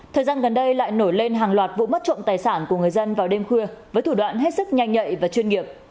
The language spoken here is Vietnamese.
thời gian gần đây lại nổi lên hàng loạt vụ mất trộm tài sản của người dân vào đêm khuya với thủ đoạn hết sức nhanh nhạy và chuyên nghiệp